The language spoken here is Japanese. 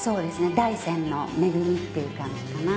大山の恵みっていう感じかな。